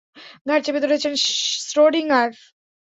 ঘাড় চেপে ধরেছেন শ্রোডিঙ্গার।